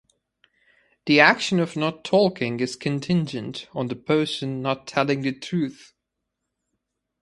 The action of not talking is contingent on the person not telling the truth.